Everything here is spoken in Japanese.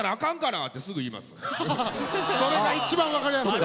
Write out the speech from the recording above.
それが一番分かりやすい。